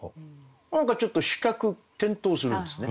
何かちょっと視覚転倒するんですね。